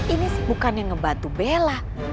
ini sih bukannya ngebantu bella